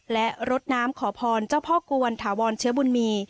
และรดน้ำขอพรเจ้าพ่อกวนถาวรเชื้อบุญมี